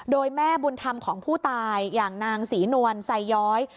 โดยแม่บุญธรรมของผู้ตายอย่างนางศรีนวลไซย้อย